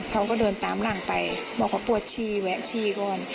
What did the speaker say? เขาก็เดินตามหลังไปบอกเขาปวดชีแวะชีก่อน